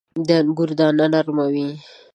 • د انګورو دانه نرمه وي.